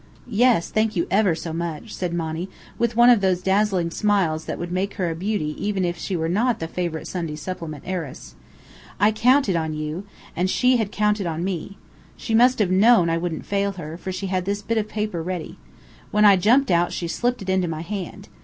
"Yes, thank you ever so much," said Monny, with one of those dazzling smiles that would make her a beauty even if she were not the favourite Sunday supplement heiress. "I counted on you and she had counted on me. She must have known I wouldn't fail her, for she had this bit of paper ready. When I jumped out she slipped it into my hand.